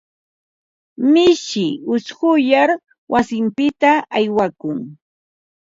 Mishi ushquyar wasinpita aywakun.